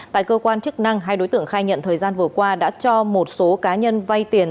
tại cơ quan chức năng hai đối tượng khai nhận thời gian vừa qua đã cho một số cá nhân vay tiền